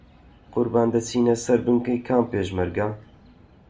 قوربان دەچینە سەر بنکەی کام پێشمەرگە؟